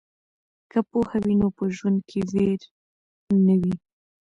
که پوهه وي نو په ژوند کې ویر نه وي.